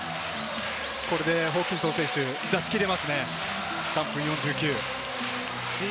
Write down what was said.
これでホーキンソン選手、出し切れますね。